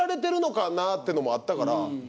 ってのもあったから。